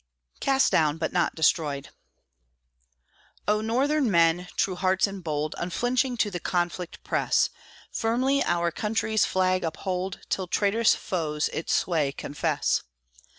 CAST DOWN, BUT NOT DESTROYED Oh, Northern men true hearts and bold Unflinching to the conflict press! Firmly our country's flag uphold, Till traitorous foes its sway confess!